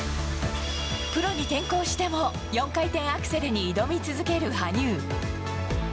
プロに転向しても、４回転アクセルに挑み続ける羽生。